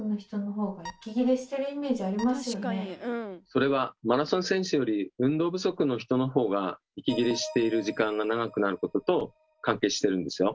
それはマラソン選手より運動不足の人のほうが息切れしている時間が長くなることと関係してるんですよ。